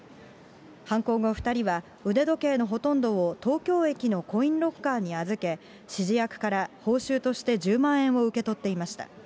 犯行後、２人は腕時計のほとんどを東京駅のコインロッカーに預け、指示役から報酬として１０万円を受け取っていました。